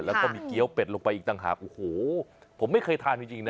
แล้วก็มีเกี้ยวเป็ดลงไปอีกต่างหากโอ้โหผมไม่เคยทานจริงนะ